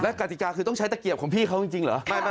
กติกาคือต้องใช้ตะเกียบของพี่เขาจริงเหรอ